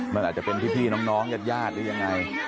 มันอาจจะเป็นพี่น้องยาดหรือยังไง